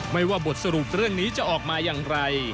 ไม่ว่าบทสรุปเรื่องนี้จะออกมาอย่างไร